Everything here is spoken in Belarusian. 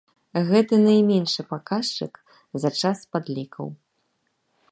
Гэта найменшы паказчык за час падлікаў.